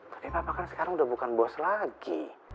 tapi bapak kan sekarang udah bukan bos lagi